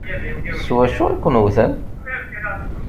S wacu i ken-wwten?